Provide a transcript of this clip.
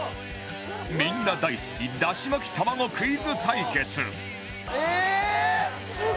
みんな大好きだし巻き卵クイズ対決ええー！